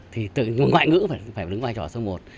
thì ngoại ngữ phải đứng vai trò số một